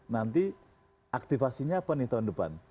nanti aktivasinya apa nih tahun depan